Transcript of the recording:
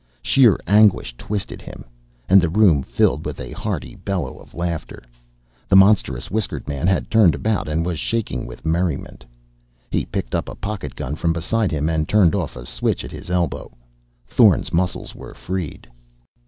Sheer anguish twisted him. And the room filled with a hearty bellow of laughter. The monstrous whiskered man had turned about and was shaking with merriment. He picked up a pocket gun from beside him and turned off a switch at his elbow. Thorn's muscles were freed.